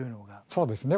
そうですね。